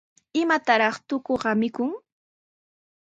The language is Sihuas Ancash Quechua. ¿Imataraq tukuqa mikun?